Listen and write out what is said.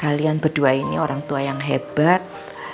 kalian berdua ini orang tua yang hebat